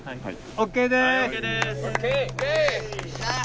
ＯＫです。